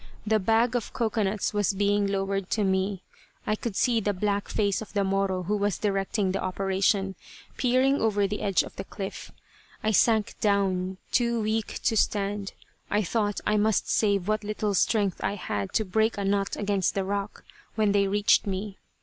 The bag of cocoanuts was being lowered to me. I could see the black face of the Moro who was directing the operation, peering over the edge of the cliff. I sank down, too weak to stand. I thought I must save what little strength I had to break a nut against the rock, when they reached me.